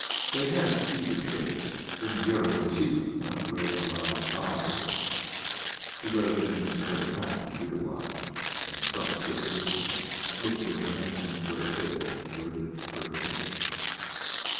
They had tea with cakes. Then Vera Iosifovna read aloud a novel; she read of things that never happen in real life, and Startsev listened, looked at her handsome grey head, and waited for her to finish.